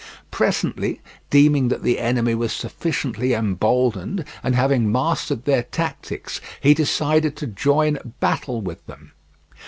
Presently, deeming that the enemy was sufficiently emboldened, and having mastered their tactics, he decided to join battle with them.